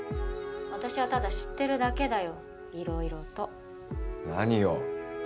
私はただ知ってるだけだよ色々と何を？